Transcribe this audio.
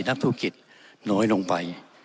นักธุรกิจน้อยลงไป